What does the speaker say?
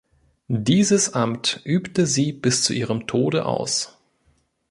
Dieses Amt übte sie bis zu ihrem Tode aus.